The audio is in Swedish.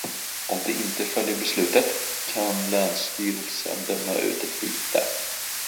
Om du inte följer beslutet kan länsstyrelsen döma ut ett vite.